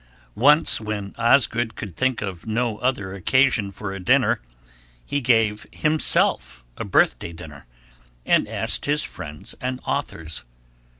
Once, when Osgood could think of no other occasion for a dinner, he gave himself a birthday dinner, and asked his friends and authors.